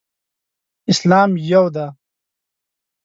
اسلام یو دی.